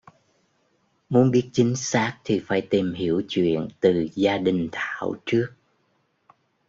Muốn biết chính xác thì phải tìm hiểu chuyện từ gia đình Thảo trước